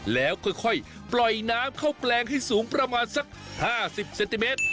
แล้วค่อยปล่อยน้ำเข้าแปลงให้สูงประมาณสัก๕๐เซนติเมตร